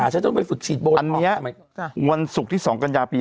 อันนี้วันศุกร์ที่๒กัญญาปี๕๔